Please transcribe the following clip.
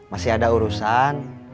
masih ada urusan